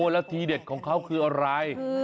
แล้วทีเด็ดของเขาคืออะไร